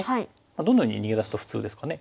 どのように逃げ出すと普通ですかね？